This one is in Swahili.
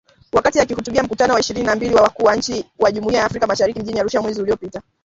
Wakati akihutubia Mkutano wa ishirini na mbili wa Wakuu wa Nchi wa Jumuiya ya Afrika Mashariki mjini Arusha mwezi uliopita.